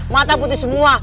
mata putih semua